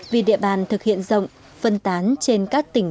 vì địa bàn thực hiện rộng phân tán trên các tỉnh